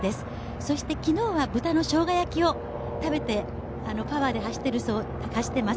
そして昨日は豚のしょうが焼きを食べてパワーで走っています。